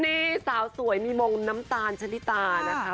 นี่สาวสวยมีมงน้ำตาลชะลิตานะคะ